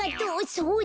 そうだ。